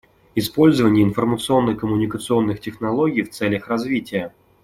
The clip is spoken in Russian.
Использование информационно-коммуникационных технологий в целях развития.